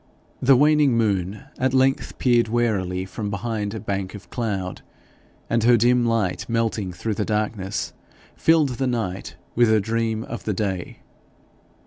The waning moon at length peered warily from behind a bank of cloud, and her dim light melting through the darkness filled the night with a dream of the day.